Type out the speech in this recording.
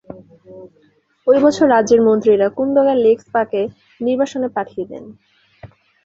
ঐ বছর রাজ্যের মন্ত্রীরা কুন-দ্গা'-লেগ্স-পাকে নির্বাসনে পাঠিয়ে দেন।